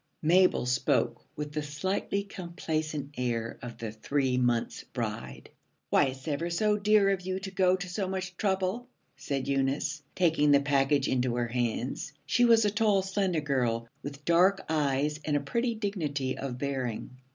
Mabel spoke with the slightly complacent air of the three months' bride. 'Why, it's ever so dear of you to go to so much trouble,' said Eunice, taking the package into her hands. She was a tall, slender girl, with dark eyes and a pretty dignity of bearing.